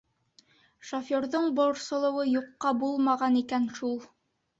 Шоферҙың борсолоуы юҡҡа булмаған икән шул.